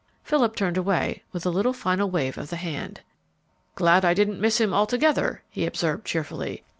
Philip turned away with a little final wave of the hand. "Glad I didn't miss him altogether," he observed cheerfully.